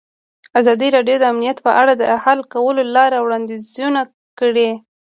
ازادي راډیو د امنیت په اړه د حل کولو لپاره وړاندیزونه کړي.